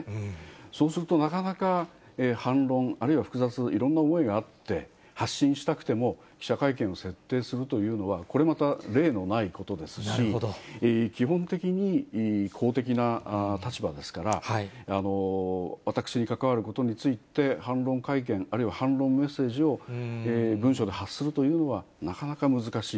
そうすると、なかなか反論、あるいは複雑、いろんな思いがあって、発信したくても、記者会見を設定するというのは、これまた例のないことですし、基本的に公的な立場ですから、私に関わることについて反論会見、あるいは反論のメッセージを文書で発するというのはなかなか難しい。